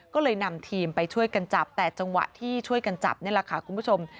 ก็เลยนำทีมไปช่วยกันจับแต่จังหวะที่ช่วยกันจับนี่แหละค่ะคุณผู้ชม